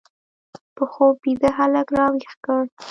په خوب بیده هلک راویښ کړ